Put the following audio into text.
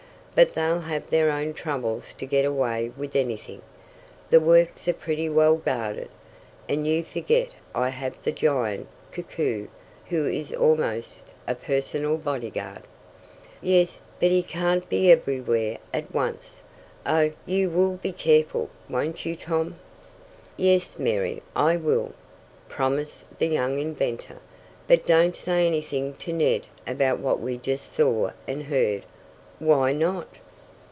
But they'll have their own troubles to get away with anything. The works are pretty well guarded, and you forget I have the giant, Koku, who is almost a personal bodyguard." "Yes, but he can't be everywhere at once. Oh, you will be careful, won't you, Tom?" "Yes, Mary, I will," promised the young inventor. "But don't say anything to Ned about what we just saw and heard." "Why not?"